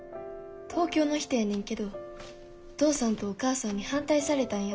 東京の人やねんけどお父さんとお母さんに反対されたんやって。